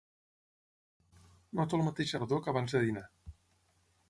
Noto el mateix ardor que abans de dinar.